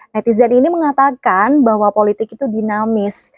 netizen ini mengatakan bahwa politik itu dinamis